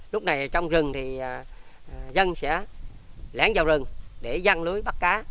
lúc này trong rừng thì dân sẽ lén vào rừng để răng lưới bắt cá